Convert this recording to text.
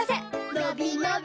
のびのび